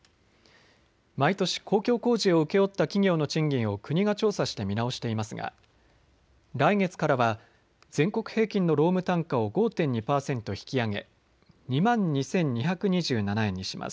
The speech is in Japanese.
毎年、公共工事を請け負った企業の賃金を国が調査して見直していますが来月からは全国平均の労務単価を５．２％引き上げ２万２２２７円にします。